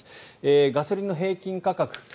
ガソリンの平均価格